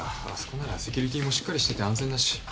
あそこならセキュリティーもしっかりしてて安全だし。